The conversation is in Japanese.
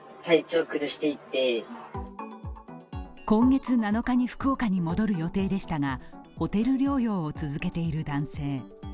今月７日に福岡に戻る予定でしたがホテル療養を続けている男性。